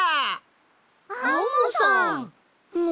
アンモさん！